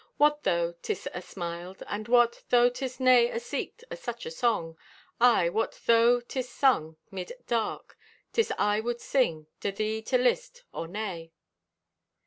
What though 'tis asmiled? And what Though 'tis nay aseeked o' such a song? Aye, what though 'tis sung 'mid dark? 'Tis I would sing, Do thee to list, or nay.